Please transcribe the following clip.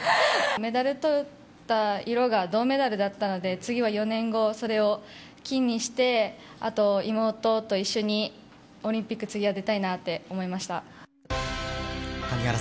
メダルを取った色が銅メダルだったので次は４年後、それを金にしてあと、妹と一緒にオリンピック次は出たいなと思いました。